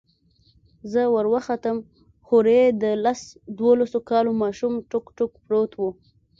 زه وروختم هورې د لس دولسو كالو ماشوم ټوك ټوك پروت و.